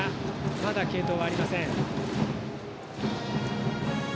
まだ継投はありません。